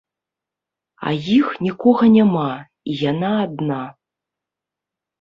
А іх нікога няма, і яна адна.